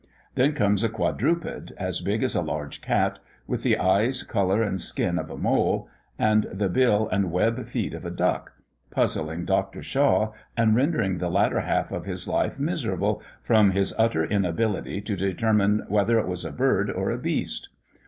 Then comes a quadruped, as big as a large cat, with the eyes, colour, and skin of a mole, and the bill and web feet of a duck, puzzling Dr. Shaw, and rendering the latter half of his life miserable, from his utter inability to determine whether it was a bird or a beast.